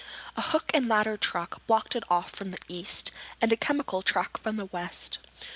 A hook and ladder truck blocked it off from the east and a chemical truck from the west.